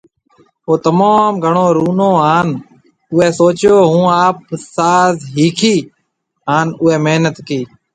او تموم گھڻو رونو هان اوئي سوچيو هون آپ ساز ۿيکيۿ، هان اوئي محنت ڪي